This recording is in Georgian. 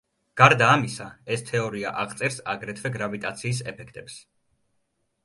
გარდა ამისა, ეს თეორია აღწერს აგრეთვე გრავიტაციის ეფექტებს.